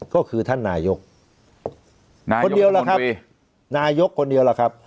ก็คือท่านนายกคนเดียวล่ะครับนายกคนเดียวล่ะครับ